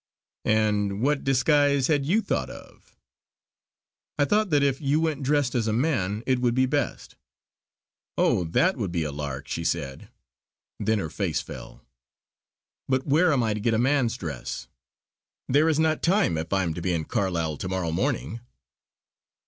"And what disguise had you thought of?" "I thought that if you went dressed as a man it would be best." "Oh that would be a lark!" she said. Then her face fell. "But where am I to get a man's dress? There is not time if I am to be in Carlisle to morrow morning."